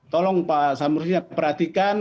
tolong pak samsuri perhatikan